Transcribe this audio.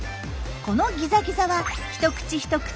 このギザギザは一口一口